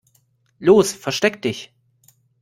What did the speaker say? Los, versteck dich!